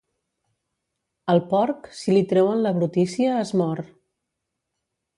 Al porc, si li treuen la brutícia, es mor.